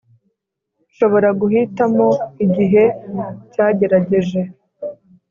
nshobora guhitamo igihe cyagerageje